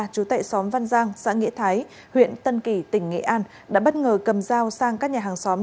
chú tệ xóm văn giang xã nghĩa thái huyện tân kỳ tỉnh nghệ an đã bất ngờ cầm dao sang các nhà hàng xóm